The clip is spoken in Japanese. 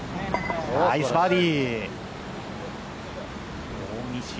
ナイスバーディー、大西。